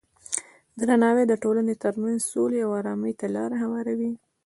درناوی د ټولنې ترمنځ سولې او ارامۍ ته لاره هواروي.